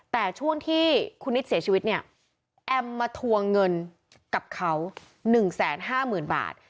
แต่ช่วงที่คุณนิดเสียชีวิตเนี่ยแอมมาทวงเงินกับเขา๑๕๐๐๐บาท